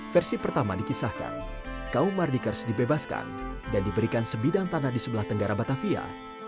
versi pertama dikisahkan kaum mardikers dibebaskan dan diberikan sebidang tanah di sebelah tenggara batavia